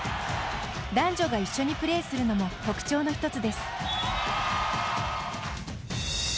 男女が一緒にプレーするのも特徴の１つです。